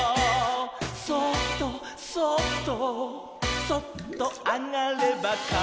「そっとそっとそっとあがればからだの」